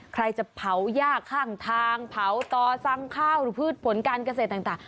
ใครจะเผายากข้างทางเผาต่อสั่งข้าวหรือพืชผลการเกษตรต่าง